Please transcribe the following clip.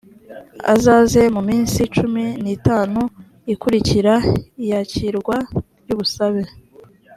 azaze muminsi cumi nitanu ikurikira iyakirwa ry ‘ubusabe